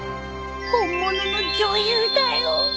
本物の女優だよ